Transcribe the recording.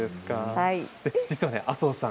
実は麻生さん